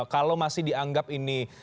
kalau masih dianggap ini